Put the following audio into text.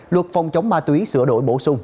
luật phòng chống ma túy sửa đổi bổ sung